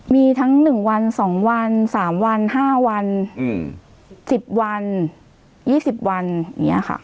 มีทั้งหนึ่งวันสองวันสามวันห้าวันอืมสิบวันยี่สิบวันอย่างเงี้ยค่ะ